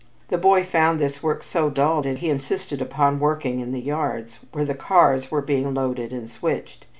The boy found this work so dull that he insisted upon working in the yards, where the cars were being loaded and switched.